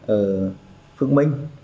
ở phước minh